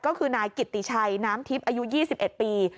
ก็คือนายกิตติชัยน้ำทิพย์อายุ๒๑ปี